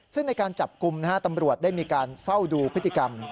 ซึ่งในการจับกลุ่มตำรวจได้มีการเฝ้าดูพฤติกรรม